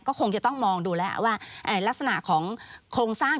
ก็คงจะต้องมองดูแล้วว่าลักษณะของโครงสร้าง